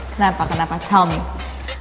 kenapa kenapa beritahu saya